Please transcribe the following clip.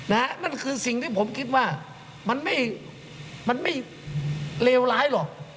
นั่นคือสิ่งที่ผมคิดว่ามันไม่มันไม่เลวร้ายหรอก